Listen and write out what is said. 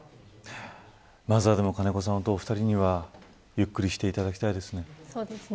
まずは金子さん、お二人にはゆっくりしていただきたいですね。